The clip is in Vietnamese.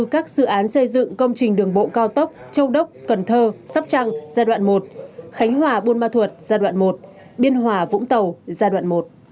các dự án xây dựng công trình đường bộ cao tốc châu đốc cần thơ sóc trăng giai đoạn một khánh hòa bôn ma thuột giai đoạn một biên hòa vũng tàu giai đoạn một